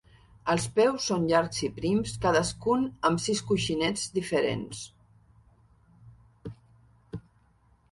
Els peus són llargs i prims, cadascun amb sis coixinets diferents.